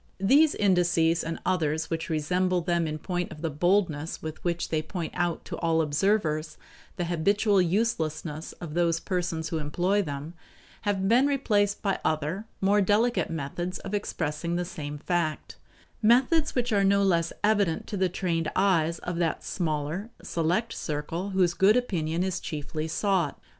These indices and others which resemble them in point of the boldness with which they point out to all observers the habitual uselessness of those persons who employ them, have been replaced by other, more dedicate methods of expressing the same fact; methods which are no less evident to the trained eyes of that smaller, select circle whose good opinion is chiefly sought.